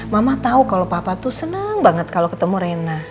mama tahu kalau papa tuh senang banget kalau ketemu rena